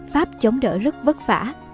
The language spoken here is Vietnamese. pháp chống đỡ rất vất vả